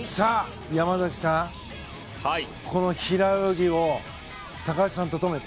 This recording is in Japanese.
山崎さん、この平泳ぎを高橋さんと共に。